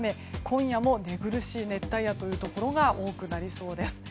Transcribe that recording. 今夜も寝苦しい熱帯夜というところが多くなりそうです。